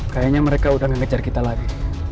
kayaknya mereka udah gak ngejar kita lagi